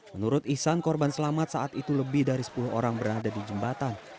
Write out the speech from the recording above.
menurut ihsan korban selamat saat itu lebih dari sepuluh orang berada di jembatan